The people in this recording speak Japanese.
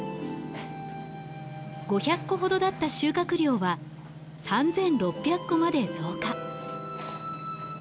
５００個ほどだった収穫量は３６００個まで増加。